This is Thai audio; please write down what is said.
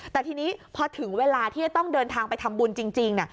แต่ทีนี้พอถึงเวลาที่จะต้องเดินทางไปทำบุญจริง